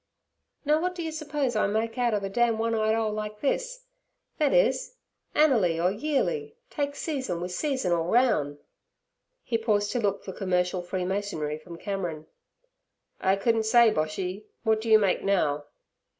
'Now, w'at d'yer serpose I make out ov a damn one eyed 'ole like this? Thet is, annerly or yearly, take season wi' season all roun'.' He paused to look for commercial freemasonry from Cameron. 'I couldn't say, Boshy. What do you make now?'